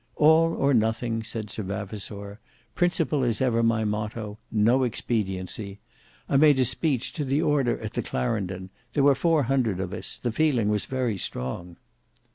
"All, or nothing," said Sir Vavasour; "principle is ever my motto—no expediency. I made a speech to the order at the Clarendon; there were four hundred of us; the feeling was very strong."